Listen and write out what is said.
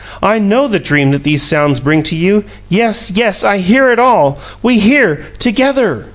I know the dream that these sounds bring to you. Yes, yes, I hear it all! We hear together!"